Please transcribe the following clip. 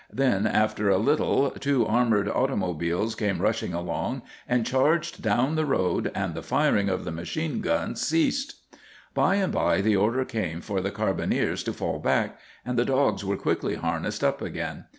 Then, after a little, two armoured automobiles came rushing along and charged down the road, and the firing of the machine guns ceased. By and by the order came for the carbineers to fall back, and the dogs were quickly harnessed up again.